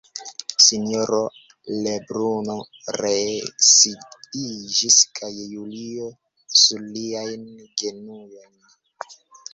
Sinjoro Lebruno ree sidiĝis kaj Julio sur liajn genuojn.